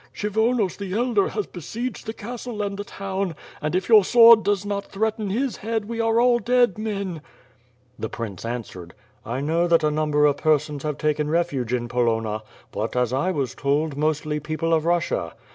Kshyvonos the elder has besieged the castle and the town, and if your sword does not threaten his head we are all dead men." The prince answered, "I know that a number of persons have taken refuge in Polonna but, as I was told, mostly people of Russia.